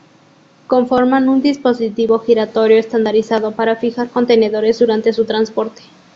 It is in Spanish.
Conforman un dispositivo giratorio estandarizado para fijar contenedores durante su transporte.